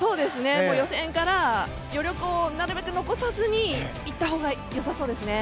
予選から余力をなるべく残さずにいったほうがよさそうですね。